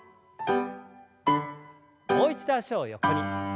もう一度脚を横に。